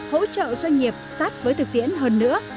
hỗ trợ doanh nghiệp sát với thực tiễn hơn nữa